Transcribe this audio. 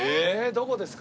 どこですか？